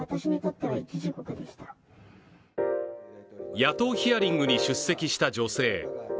野党ヒヤリングに出席した女性。